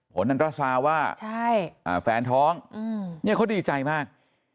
ผลอันตราสาว่าแฟนท้องเขาดีใจมาก